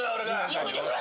やめてくれ。